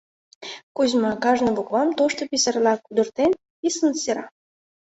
Кузьма, кажне буквам тошто писарьла кудыртен, писын сера.